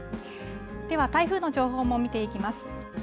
では台風の情報も見ていきます。